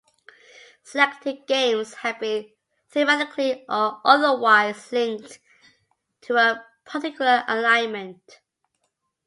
Selected games have been thematically or otherwise linked to a particular alignment.